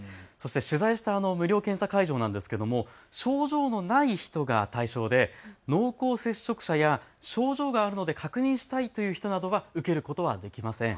取材した無料検査会場は症状のない人が対象で濃厚接触者や症状があるので確認したいという人は受けることができません。